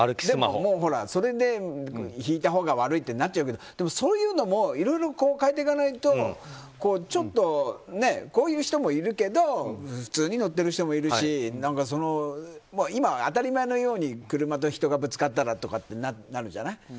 でも、それでひいたほうが悪いってなっちゃうけどでも、そういうのもいろいろ変えていかないとこういう人もいるけど普通に乗ってる人もいるし今、当たり前のように車と人がぶつかったらとかってなるじゃない。